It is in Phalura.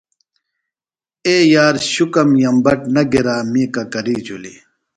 اے یار شُکم ین بٹ نہ گِرا می ککری جُھلیۡ۔